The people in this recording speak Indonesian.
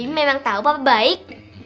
debbie memang tau papa baik